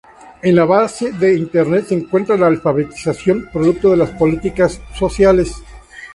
En la base de Internet se encuentra la alfabetización, producto de las políticas sociales.